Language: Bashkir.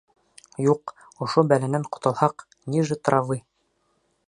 — Юҡ, ошо бәләнән ҡотолһаҡ, ниже травы.